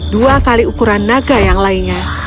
dua kali ukuran naga yang lainnya